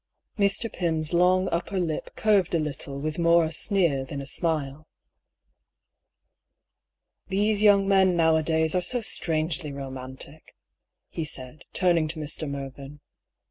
Mr. Pym's long upper lip curved a little with more a sneer than a smile. " These young men now a days are so strangely ro mantic," he said, turning to Mr. Mervyn.